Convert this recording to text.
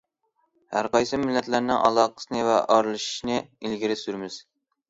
ھەر قايسى مىللەتلەرنىڭ ئالاقىسىنى ۋە ئارىلىشىشىنى ئىلگىرى سۈرىمىز.